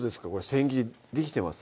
千切りできてます？